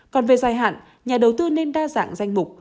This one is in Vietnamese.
còn về dài hạn nhà đầu tư nên đa dạng danh mục